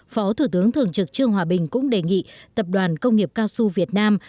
phó thủ tướng thường trực trương hòa bình cũng đề nghị tập đoàn công nghiệp cao su việt nam